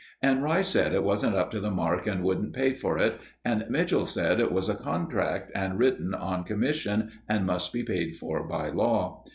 And Rice said it wasn't up to the mark and wouldn't pay for it, and Mitchell said it was a contract and written on commission and must be paid for by law.